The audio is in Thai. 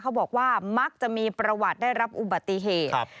บอกว่ามักจะมีประวัติได้รับอุบัติเหตุ